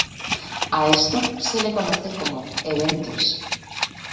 A esto se le conoce como "eventos".